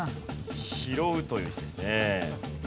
「ひろう」という字ですね。